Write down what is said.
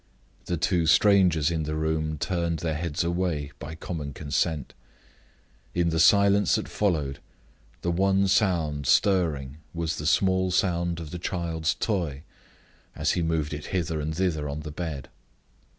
The two strangers in the room turned their heads away by common consent. In the silence that followed, the one sound stirring was the small sound of the child's toy, as he moved it hither and thither on the bed.